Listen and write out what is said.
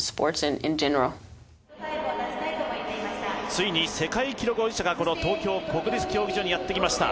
ついに世界記録保持者がこの東京国立競技場にやってきました。